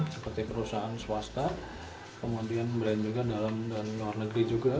seperti perusahaan swasta kemudian brand juga dalam dan luar negeri juga